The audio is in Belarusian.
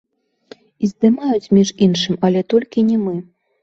І здымаюць, між іншым, але толькі не мы.